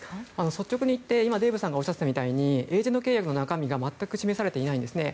率直にいってデーブさんがおっしゃってたみたいにエージェント契約の中身が全く示されていないんですね。